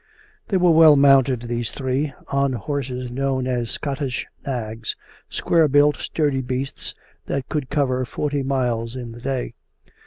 They were well mounted, these three, on horses known as Scottish nags, srquare built, sturdy beasts, that could cover forty miles in the day.